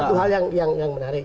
itu hal yang menarik